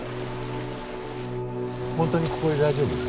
ホントにここで大丈夫？